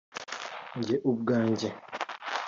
Jye ubwanjye